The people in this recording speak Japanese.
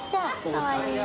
かわいいね。